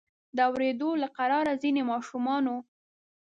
د اوریدو له قراره ځینې ماشومانو.